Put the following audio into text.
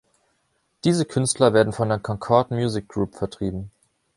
Diese Künstler werden von der Concord Music Group vertrieben.